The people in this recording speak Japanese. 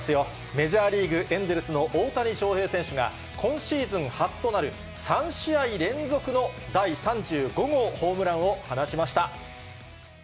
メジャーリーグ・エンゼルスの大谷翔平選手が、今シーズン初となる３試合連続の第３５号ホームランを放ちました。